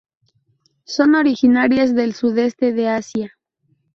Son originarias del sudeste de Asia.